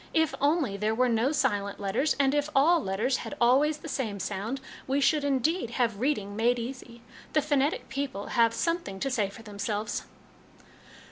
If only there were no silent letters, and if all letters had always the same sound, we should, indeed, have reading made easy. The phonetic people have some thing to say for themselves."